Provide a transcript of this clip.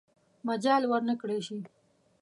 مجال ورنه کړل شي.